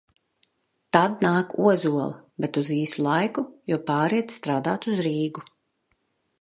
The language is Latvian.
Tad nāk Ozola, bet uz īsu laiku, jo pāriet strādāt uz Rīgu.